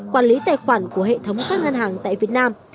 quản lý tài khoản của hệ thống các ngân hàng tại việt nam